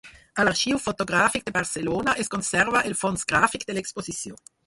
A l'Arxiu Fotogràfic de Barcelona es conserva el fons gràfic de l'exposició.